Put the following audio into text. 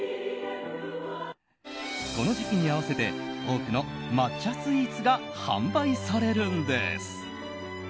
この時期に合わせて多くの抹茶スイーツが販売されるんです。